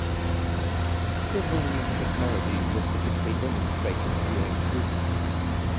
Several new technologies are typically demonstrated during Drupa.